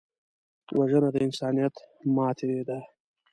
وژنه د انسانیت ماتې ده